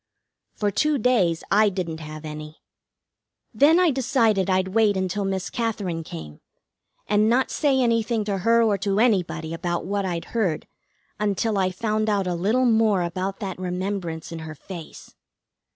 For two days I didn't have any. Then I decided I'd wait until Miss Katherine came, and not say anything to her or to anybody about what I'd heard until I found out a little more about that remembrance in her face.